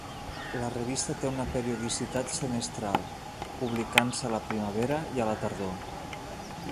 La revista té una periodicitat semestral, publicant-se a la primavera i a la tardor.